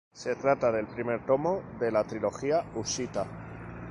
Se trata del primer tomo de la "Trilogía husita".